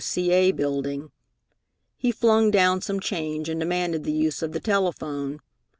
W.C.A. Building. He flung down some change and demanded the use of the telephone.